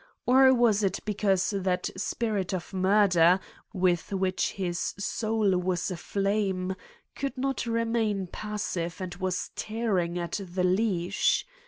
Or was it because that spirit of murder with which his soul was aflame could not remain passive and was tearing at the leash.